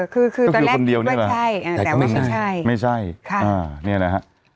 คือคือตอนแรกคือคนเดียวเนี้ยแหละแต่ว่าไม่ใช่ไม่ใช่ค่ะนี่นะฮะ